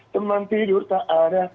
teman tidur tak ada